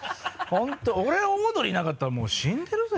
本当俺オードリーいなかったらもう死んでるぜ。